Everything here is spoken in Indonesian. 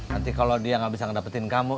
nanti kalau dia gak bisa ngedapetin kamu